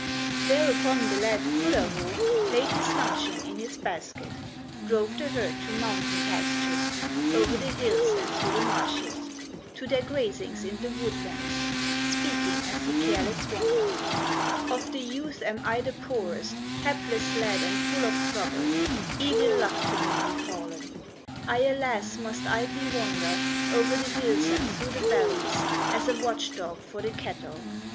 Thereupon the lad, Kullervo, Laid his luncheon in his basket, Drove the herd to mountain pastures, O'er the hills and through the marshes, To their grazings in the woodlands, Speaking as he careless wandered: "Of the youth am I the poorest, Hapless lad and full of trouble, Evil luck to me befallen! I, alas! must idly wander O'er the hills and through the valleys, As a watch dog for the cattle!"